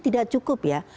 tidak cukup ya